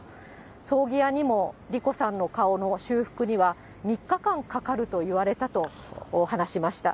葬儀屋にも莉子さんの顔の修復には３日間かかると言われたと話しました。